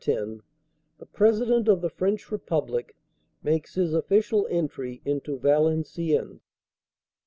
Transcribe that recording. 10, the President of the French Republic makes his official entry into Valencien nes.